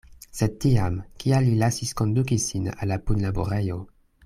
Sed tiam, kial li lasis konduki sin al la punlaborejo?